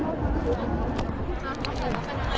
นี้ครับจะลองการการเข้าโรงเป้าหมาย